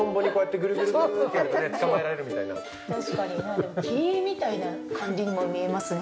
切り絵みたいな感じにも見えますね。